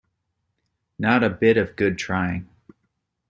Not a bit of good trying.